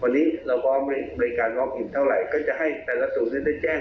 วันนี้เราก็เป็นบริการเท่าไรก็จะให้แต่ละสูญนี้ได้แจ้ง